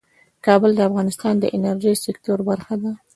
کابل د افغانستان د انرژۍ سکتور برخه ده.